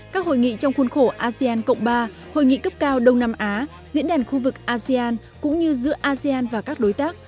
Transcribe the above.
các hội nghị trong khuôn khổ asean cộng ba hội nghị cấp cao đông nam á diễn đàn khu vực asean cũng như giữa asean và các đối tác